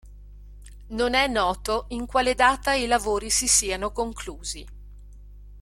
Non è noto in quale data i lavori si siano conclusi.